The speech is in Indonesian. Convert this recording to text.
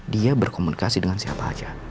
dia berkomunikasi dengan siapa saja